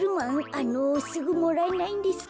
あのすぐもらえないんですか？